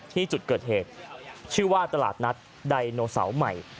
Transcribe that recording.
ที่จุดเกิดเหตุชื่อว่าตลาดนัดไดโนเสาร์ใหม่